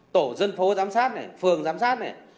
tổ dân phố giám sát này phường giám sát này